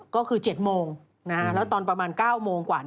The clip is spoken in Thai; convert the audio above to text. ก็คือ๗โมงแล้วตอนประมาณ๙โมงกว่า